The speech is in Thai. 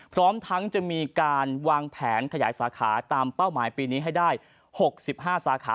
พร้อมทั้งจะมีการวางแผนขยายสาขาตามเป้าหมายปีนี้ให้ได้๖๕สาขา